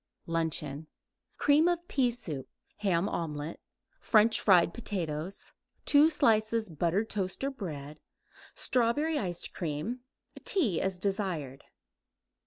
LUNCHEON Cream of pea soup; ham omelette; French fried potatoes; 2 slices buttered toast or bread; strawberry ice cream; tea as desired.